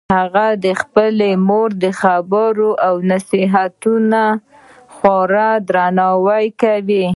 هغه د خپلې مور د خبرو او نصیحتونو خورا درناوی کوي